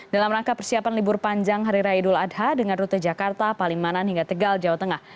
dalam rangka persiapan libur panjang hari raya idul adha dengan rute jakarta palimanan hingga tegal jawa tengah